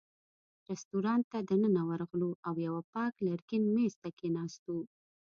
رېستورانت ته دننه ورغلو او یوه پاک لرګین مېز ته کېناستو.